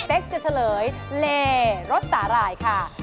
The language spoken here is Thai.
เต็กซ์จะเฉลยเลรสสาหร่ายค่ะ